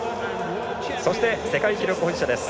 そして世界記録保持者です